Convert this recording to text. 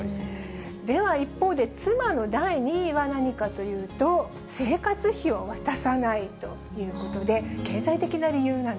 では一方で、妻の第２位は何かというと、生活費を渡さないということで、なるほど。